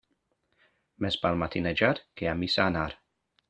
Més val matinejar que a missa anar.